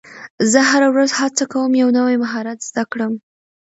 زه هره ورځ هڅه کوم یو نوی مهارت زده کړم